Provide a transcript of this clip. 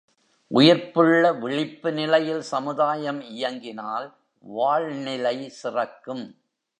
உயிர்ப்புள்ள விழிப்பு நிலையில் சமுதாயம் இயங்கினால் வாழ்நிலை சிறக்கும்.